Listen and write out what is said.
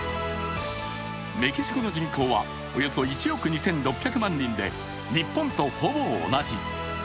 メキシコの人口はおよそ１億２６００万人で、日本とほぼ同じ。